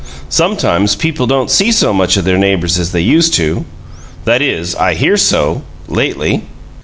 Sometimes people don't see so much o' their neighbors as they used to. That is, I hear so lately."